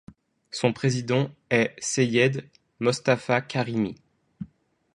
Son président est Seyed Mostafa Karimi.